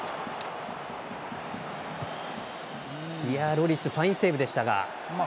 ロリス、ファインセーブでした。